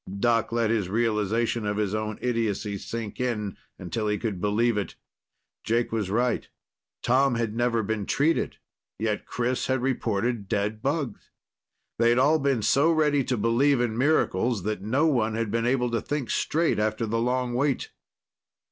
Doc let his realization of his own idiocy sink in until he could believe it. Jake was right. Tom had never been treated, yet Chris had reported dead bugs. They'd all been so ready to believe in miracles that no one had been able to think straight after the long wait.